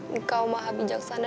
engkau maha bijaksana